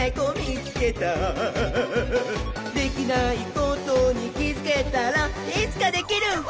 「できないことにきづけたらいつかできるひゃっほ」